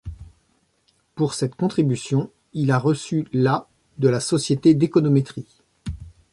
Pour cette contribution, il a reçu la de la Société d'économétrie.